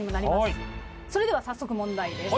それでは早速問題です。